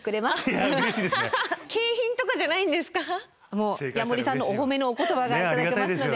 もう矢守さんのお褒めのお言葉が頂けますので。